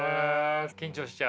緊張しちゃう？